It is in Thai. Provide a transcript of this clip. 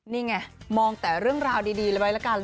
นี่ไงมองแต่เรื่องราวดีเลยไว้ละกัน